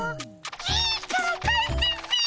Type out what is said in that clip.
いいから帰ってっピ。